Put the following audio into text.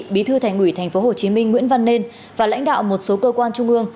bí thư thành ủy tp hcm nguyễn văn nên và lãnh đạo một số cơ quan trung ương